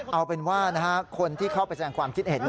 เอาเป็นว่าคนที่เข้าไปแสดงความคิดเห็น